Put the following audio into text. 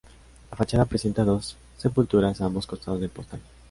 La fachada presenta dos sepulturas a ambos costados del portal.